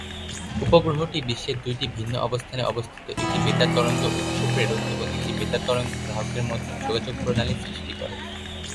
উপগ্রহটি বিশ্বের দুইটি ভিন্ন অবস্থানে অবস্থিত একটি বেতার তরঙ্গ উৎস-প্রেরক এবং একটি বেতার তরঙ্গ গ্রাহকের মধ্যে যোগাযোগ প্রণালী সৃষ্টি করে।